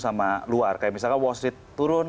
sama luar kayak misalkan wall street turun